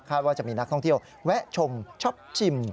ว่าจะมีนักท่องเที่ยวแวะชมชอบชิม